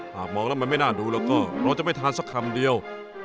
หากมองแล้วมันไม่น่าดูแล้วก็เราจะไม่ทานสักคำเดียว